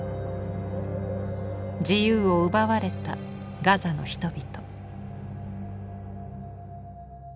自由を奪われたガザの人々。